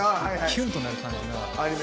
キュンとなる感じが。